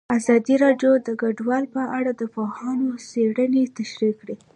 ازادي راډیو د کډوال په اړه د پوهانو څېړنې تشریح کړې.